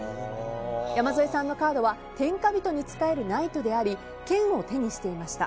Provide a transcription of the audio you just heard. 山添さんのカードは天下人に仕えるナイトであり剣を手にしていました。